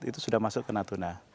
itu sudah masuk ke natuna